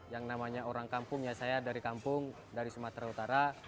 yang namanya orang kampung ya saya dari kampung dari sumatera utara